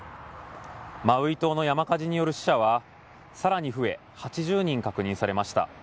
マウイ島の山火事による死者はさらに増え８０人確認されました。